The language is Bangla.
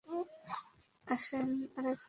আসেন, আরেকটা খেলা হয়ে যাক।